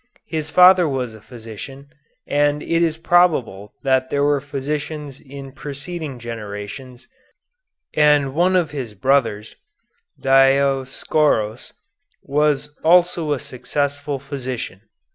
His father was a physician, and it is probable that there were physicians in preceding generations, and one of his brothers, Dioscoros, was also a successful physician.